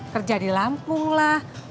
kerja di lampung lah